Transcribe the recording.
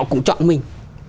cũng chọn mình